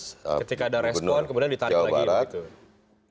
ketika ada respon kemudian ditarik lagi